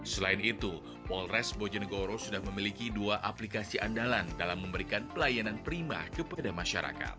selain itu polres bojonegoro sudah memiliki dua aplikasi andalan dalam memberikan pelayanan prima kepada masyarakat